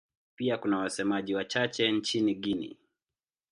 Pia kuna wasemaji wachache nchini Guinea.